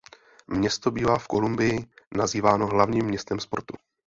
Město bývá v Kolumbii nazýváno hlavním městem sportu.